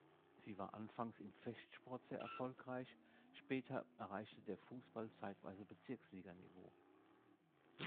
Sie war anfangs im Fechtsport sehr erfolgreich, später erreichte der Fußball zeitweise Bezirksliga-Niveau.